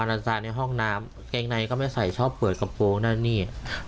น่าจะมือเลยค่ะพี่